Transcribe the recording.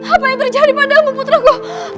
apa yang terjadi padamu putraku